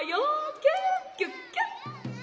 キュキュッキュッ」。